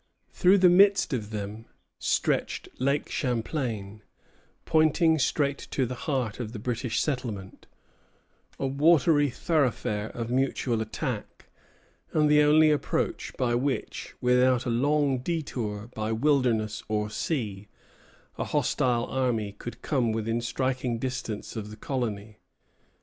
Through the midst of them stretched Lake Champlain, pointing straight to the heart of the British settlements, a watery thoroughfare of mutual attack, and the only approach by which, without a long détour by wilderness or sea, a hostile army could come within striking distance of the colony.